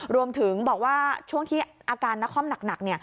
รวมถึงบอกว่าช่วงที่อาการนครหนัก